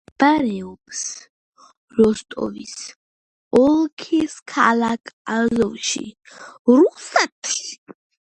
მდებარეობს როსტოვის ოლქის ქალაქ აზოვში, რუსეთი.